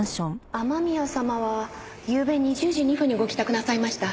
雨宮様はゆうべ２０時２分にご帰宅なさいました。